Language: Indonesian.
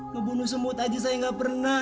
membunuh semut aja saya nggak pernah